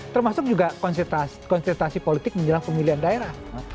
termasuk juga konsentrasi politik menjelang pemilihan daerah